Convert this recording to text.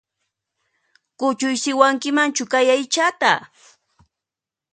Kuchuysiwankimanchu kay aychata?